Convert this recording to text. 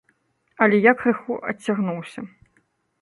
Але я крыху адцягнуўся.